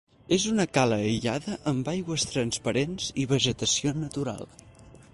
És una cala aïllada amb aigües transparents i vegetació natural.